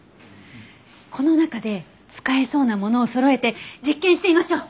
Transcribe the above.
この中で使えそうなものをそろえて実験してみましょう。